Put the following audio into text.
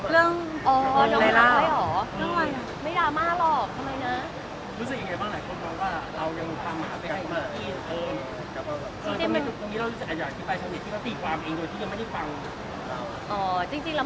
ละก่อนกับดาร์มาที่เกิดขึ้นอาทิตย์ที่แล้ว